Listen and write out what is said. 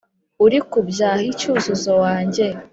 Uri ku byahi Cyuzuzo wanjye